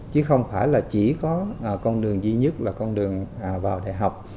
chứ không phải là chỉ có con đường duy nhất là con đường vào đại học